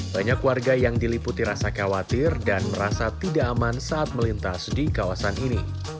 banyak warga yang diliputi rasa khawatir dan merasa tidak aman saat melintas di kawasan ini